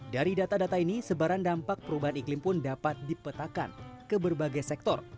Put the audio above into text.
dari data data ini sebaran dampak perubahan iklim pun dapat dipetakan ke berbagai sektor